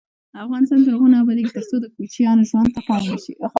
افغانستان تر هغو نه ابادیږي، ترڅو د کوچیانو ژوند ته پام ونشي.